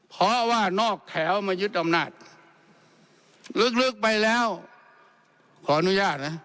เพราะว่านอกแถวมายึดอำนาจลึกไปแล้วขออนุญาตนะ